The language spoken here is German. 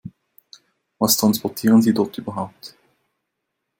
Was transportieren Sie dort überhaupt?